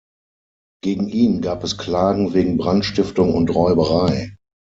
Gegen ihn gab es Klagen wegen Brandstiftung und Räuberei.